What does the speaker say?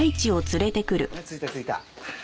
着いた着いた。